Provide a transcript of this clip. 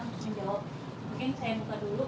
mungkin nanti dijelaskan sama pak suy